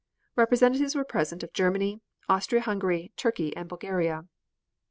Representatives were present of Germany, Austria Hungary, Turkey and Bulgaria.